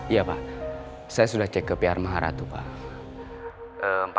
iya pak saya sudah cek ke pr maharatu pak